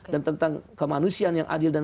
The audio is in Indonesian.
dan tentang kemanusiaan yang adil dan